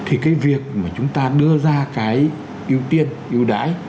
thì cái việc mà chúng ta đưa ra cái ưu tiên ưu đãi